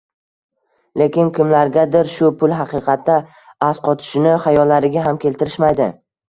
Lekin kimlargadir shu pul haqiqatda asqotishini xayollariga ham keltirishmaydi.